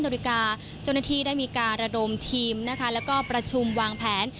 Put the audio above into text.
เจ้าหน้าที่ได้มีการระดมทีมและก็ประชุมวางแผน